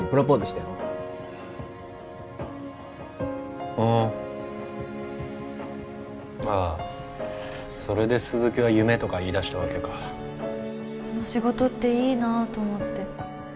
フーンああそれで鈴木は夢とか言いだしたわけかこの仕事っていいなーと思って